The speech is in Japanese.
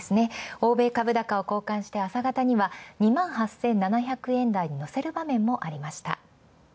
欧米株高こうかんして朝型には２万８７００円台にのせる場面もありました。